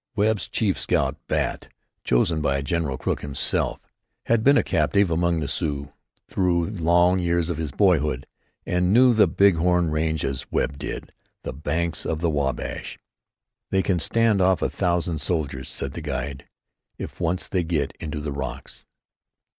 Webb's chief scout "Bat," chosen by General Crook himself, had been a captive among the Sioux through long years of his boyhood, and knew the Big Horn range as Webb did the banks of the Wabash. "They can stand off a thousand soldiers," said the guide, "if once they get into the rocks.